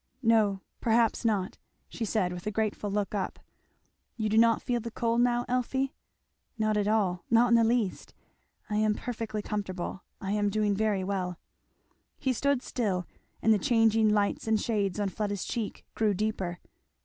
"No perhaps not," she said with a grateful look up. "You do not feel the cold now, Elfie?" "Not at all not in the least I am perfectly comfortable I am doing very well " He stood still, and the changing lights and shades on Fleda's cheek grew deeper.